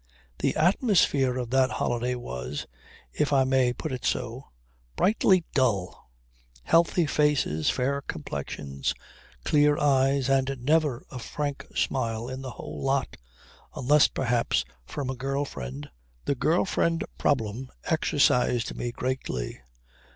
The atmosphere of that holiday was if I may put it so brightly dull. Healthy faces, fair complexions, clear eyes, and never a frank smile in the whole lot, unless perhaps from a girl friend. The girl friend problem exercised me greatly.